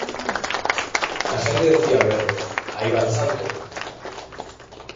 La gente decía al verlo; "Ahí va el santo".